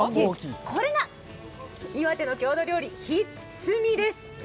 これが岩手の郷土料理・ひっつみです。